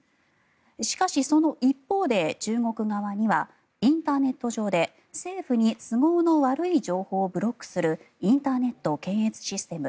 しかし、その一方で中国側にはインターネット上で政府に都合の悪い情報をブロックするインターネット検閲システム